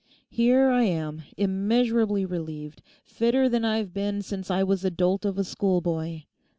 Here I am, immeasurably relieved, fitter than I've been since I was a dolt of a schoolboy.